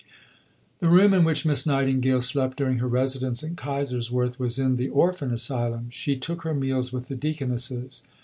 The room in which Miss Nightingale slept during her residence at Kaiserswerth was in the Orphan Asylum. She took her meals with the Deaconesses.